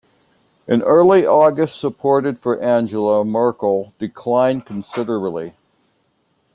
In early August support for Angela Merkel declined considerably.